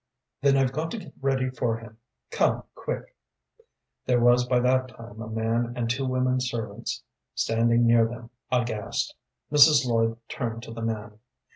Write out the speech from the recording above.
"Then I've got to get ready for him. Come, quick." There was by that time a man and two women servants standing near them, aghast. Mrs. Lloyd turned to the man.